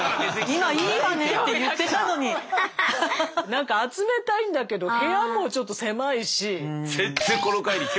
なんか集めたいんだけど部屋もちょっと狭いし。